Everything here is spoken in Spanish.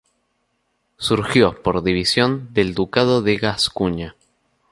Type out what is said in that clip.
Surgió por división del Ducado de Gascuña.